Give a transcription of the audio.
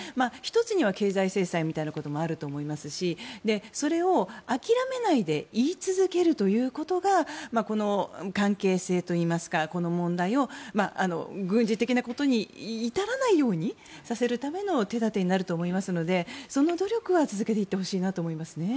１つには経済制裁みたいなこともあると思いますしそれを諦めないで言い続けるということがこの関係性といいますかこの問題を軍事的なことに至らないようにさせるための手立てになると思いますのでその努力は続けていってほしいなと思いますね。